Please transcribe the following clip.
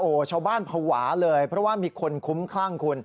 โอ้โหชาวบ้านภาวะเลยเพราะว่ามีคนคุ้มคลั่งคุณ